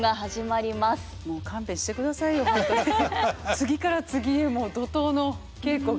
次から次へもう怒涛の稽古が。